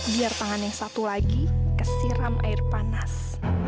biar tangan yang satu lagi kesiram air panas